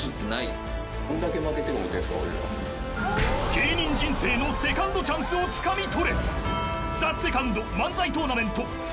芸人人生のセカンドチャンスをつかみ取れ。